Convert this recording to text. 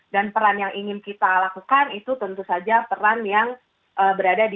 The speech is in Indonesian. dan peran yang ingin kita lakukan itu tentu saja peran yang berada diperlukan